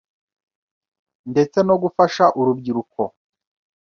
ndetse no gufasha urubyiruko